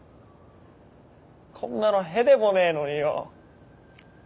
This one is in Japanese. こんなの屁でもねえのによ。